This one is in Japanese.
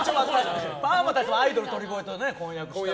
パーマ大佐もアイドル鳥越と婚約したから。